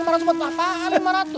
rp lima ratus buat bapak rp lima ratus